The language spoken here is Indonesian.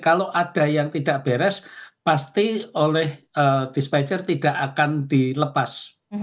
kalau ada yang tidak beres pasti oleh dispenser tidak akan dilepas